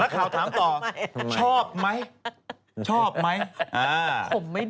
ข่าวถามต่อชอบไหมชอบไหม